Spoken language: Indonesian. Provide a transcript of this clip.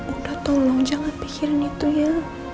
udah tolong jangan pikirin itu ya